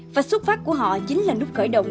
và xuất phát của họ chính là lúc khởi động